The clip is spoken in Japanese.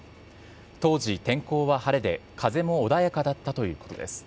当時、天候は晴れで、風も穏やかだったということです。